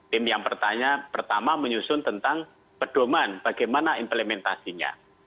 tim yang pertama menyusun tentang pedoman bagaimana implementasinya